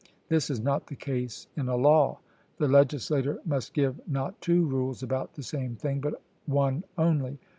This is not the case in a law; the legislator must give not two rules about the same thing, but one only.